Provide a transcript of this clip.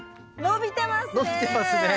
伸びてますね。